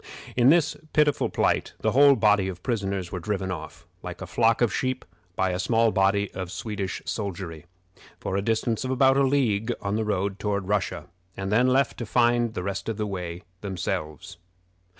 In this pitiful plight the whole body of prisoners were driven off, like a flock of sheep, by a small body of Swedish soldiery, for a distance of about a league on the road toward Russia, and then left to find the rest of the way themselves.